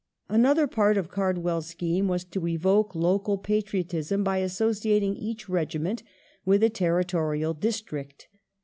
Another part of CardwelPs scheme was to evoke local pat riotism by associating each regiment with a territorial district.